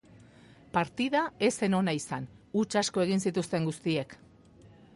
Partida ez zen ona izan, huts asko egin zituzten guztiek.